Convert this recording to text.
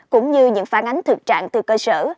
cũng như những phản ánh thực trạng từ cơ sở